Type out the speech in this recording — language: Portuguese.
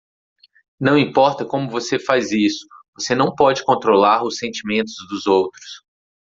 Não importa como você faz isso, você não pode controlar os sentimentos dos outros.